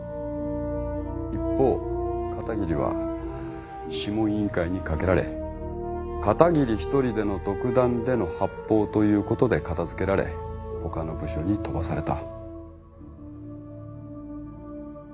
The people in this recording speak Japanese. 一方片桐は諮問委員会にかけられ片桐１人での独断での発砲ということで片付けられほかの部署に飛ばされた。